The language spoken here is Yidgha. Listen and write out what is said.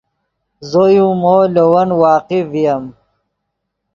زو یو مو لے ون واقف ڤییم